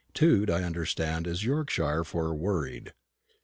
"Tewed," I understand, is Yorkshire for "worried."